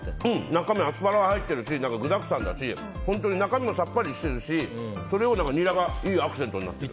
中身、アスパラが入っているし具だくさんだし中身もさっぱりしてるしそれをニラがいいアクセントになってる。